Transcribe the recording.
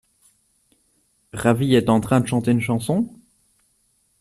Ravi est en train de chanter une chanson ?